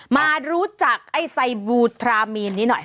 มารู้จักไอ้ไซบลูทรามีนนี้หน่อย